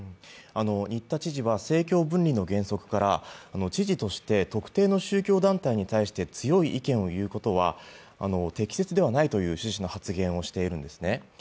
新田知事は政教分離の原則から知事として特定の宗教団体に対して強い意見を言うことは適切ではないという趣旨の発言をしているんですね。